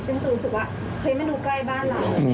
ซึ่งรู้สึกว่าเคยไม่ดูใกล้บ้านเรา